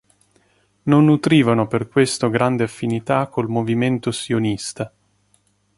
Non nutrivano per questo grande affinità col movimento sionista.